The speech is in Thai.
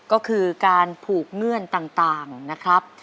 ก็คือการผูกเงื่อนต่างนะครับ